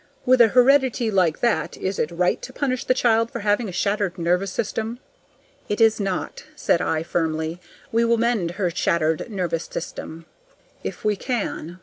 "With a heredity like that, is it right to punish the child for having a shattered nervous system?" "It is not," said I, firmly. "We will mend her shattered nervous system." "If we can."